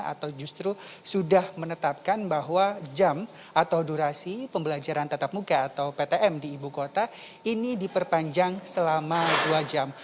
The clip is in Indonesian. atau justru sudah menetapkan bahwa jam atau durasi pembelajaran tatap muka atau ptm di ibu kota ini diperpanjang selama dua jam